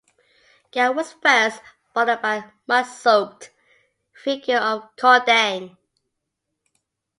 Garin was first, followed by the mud-soaked figure of Cordang.